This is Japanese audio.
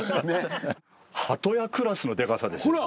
ハトヤクラスのでかさですよ。